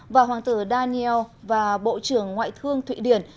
và hoàng tử daniel và bộ trưởng ngoại thương thụy điển